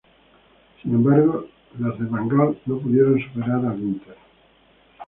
Sin embargo los de Van Gaal no pudieron superar al Inter.